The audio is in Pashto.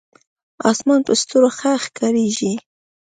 اسمان په ستورو ښه ښکارېږي.